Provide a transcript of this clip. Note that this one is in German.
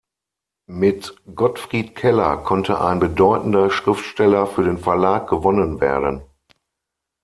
Mit Gottfried Keller konnte ein bedeutender Schriftsteller für den Verlag gewonnen werden.